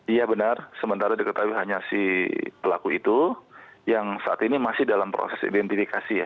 iya benar sementara diketahui hanya si pelaku itu yang saat ini masih dalam proses identifikasi ya